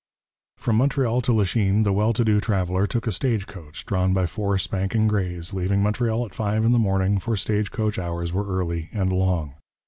From Montreal to Lachine the well to do traveller took a stage coach, drawn by four spanking greys, leaving Montreal at five in the morning, for stage coach hours were early and long.